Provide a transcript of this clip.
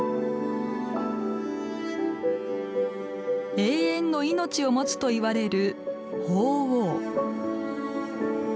永遠の命を持つといわれる鳳凰。